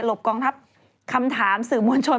บกองทัพคำถามสื่อมวลชน